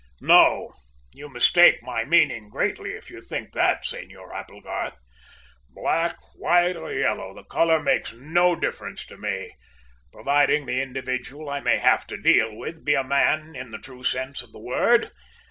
"No; you mistake my meaning greatly if you think that, Senor Applegarth. Black, white or yellow, the colour makes no difference to me, providing the individual I may have to deal with be a man in the true sense of the word!